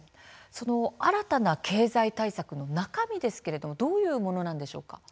その新たな経済対策の中身ですけれどもどういうものなんでしょうか。